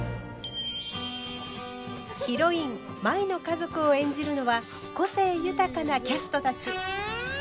ヒロイン舞の家族を演じるのは個性豊かなキャストたち。